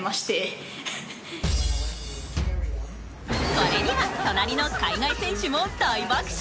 これには隣の海外選手も大爆笑。